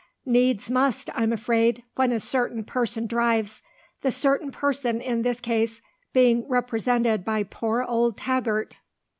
"Needs must, I'm afraid, when a certain person drives. The certain person in this case being represented by poor old Taggert."